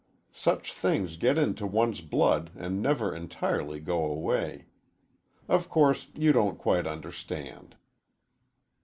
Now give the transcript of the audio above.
Such things get into one's blood and never entirely go away. Of course, you don't quite understand."